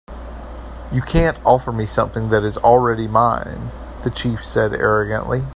"You can't offer me something that is already mine," the chief said, arrogantly.